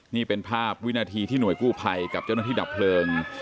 นี่เป็นภาพวินาทีที่หน่วยกู้ภัยกับเจ้าหน้าที่ดับเพลิง